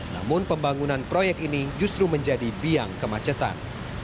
namun pembangunan proyek ini justru menjadi biang kemacetan